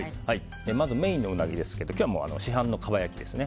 まずメインのウナギですが今日は市販のかば焼きですね